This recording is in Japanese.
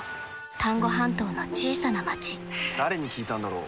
丹後半島の小さな町誰に聞いたんだろう。